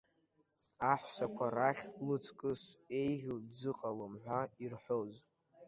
Аҳәсақәа рахь лыҵкыс еиӷьу дзыҟалом ҳәа ирҳәоз.